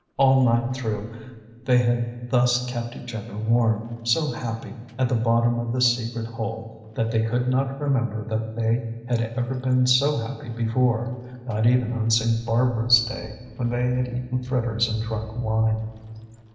All night through they had thus kept each other warm, so happy, at the bottom of this secret hole, that they could not remember that they had ever been so happy before not even on St. Barbara's day, when they had eaten fritters and drunk wine.